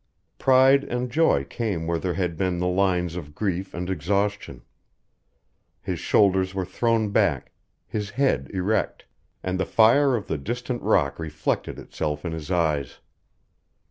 Pride and joy came where there had been the lines of grief and exhaustion. His shoulders were thrown back, his head erect, and the fire of the distant rock reflected itself in his eyes.